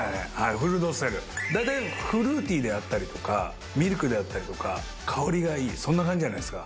フルール・ド・セルだいたいフルーティーであったりとかミルクであったりとか香りがいいそんな感じじゃないですか